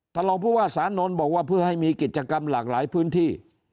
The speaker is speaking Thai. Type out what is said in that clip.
รองผู้ว่าสานนท์บอกว่าเพื่อให้มีกิจกรรมหลากหลายพื้นที่